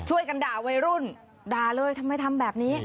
วัยรุ่นดาเลยทำไมทำแบบนี้